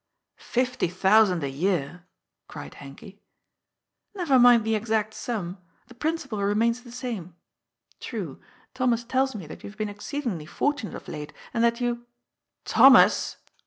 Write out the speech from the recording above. " Fifty thousand a year !" cried Henkie. "Never mind the exact sum. The principle remains the same. True, Thomas tells me that you have been ex ceedingly fortunate of late, and that you "" Thomas